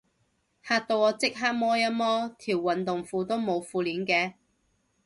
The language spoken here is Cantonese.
嚇到我即刻摸一摸，條運動褲都冇褲鏈嘅